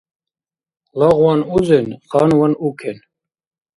Лагъван узен, ханван укен.